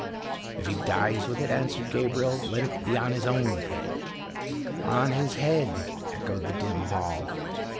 "If he dies with it," answered Gabriel, "let it be on his own head!" "On his head!" echoed the dim hall.